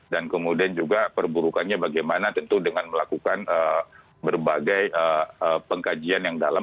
dan kemudian juga perburukannya bagaimana tentu dengan melakukan berbagai pengkajian yang dalam